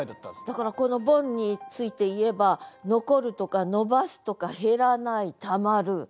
だからこのボンについて言えば「残る」とか「延ばす」とか「減らない」「たまる」。